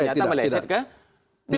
saya tidak mengatakan beliau itu offside